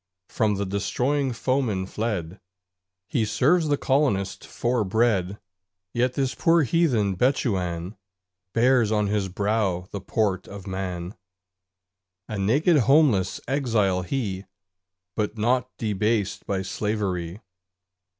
From the destroying foeman fled, He serves the Colonist for bread: Yet this poor heathen Bechuan Bears on his brow the port of man; A naked homeless exile he But not debased by slavery.